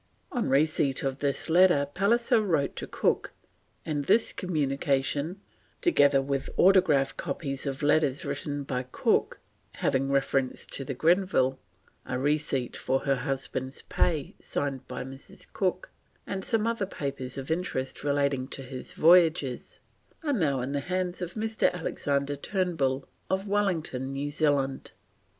On receipt of this letter Pallisser wrote to Cook, and this communication, together with autograph copies of letters written by Cook having reference to the Grenville, a receipt for her husband's pay, signed by Mrs. Cook, and some other papers of interest relating to his voyages, are now in the hands of Mr. Alexander Turnbull, of Wellington, New Zealand.